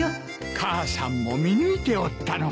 母さんも見抜いておったのか。